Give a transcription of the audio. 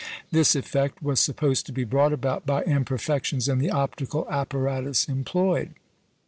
This effect was supposed to be brought about by imperfections in the optical apparatus employed.